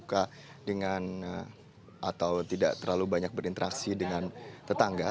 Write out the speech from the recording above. suka dengan atau tidak terlalu banyak berinteraksi dengan tetangga